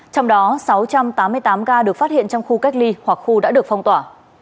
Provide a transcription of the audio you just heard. trong đó sáu trăm tám mươi tám ca được phát hiện trong khu cách ly hoặc khu đã được phong tỏa